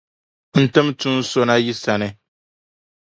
N tim Tuun’ so na yi sani.